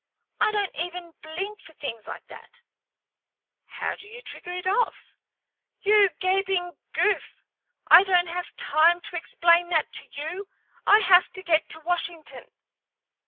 I don't even blink for things like that." "How do you trigger it off." "You gaping goof, I don't have time to explain that to you. I have to get to Washington."